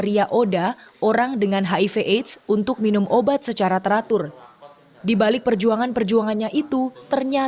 biarlah untuk yang oda yang saat ini biar cukup itu aja